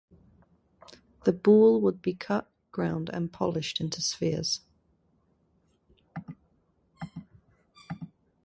The boule would be cut, ground, and polished into spheres.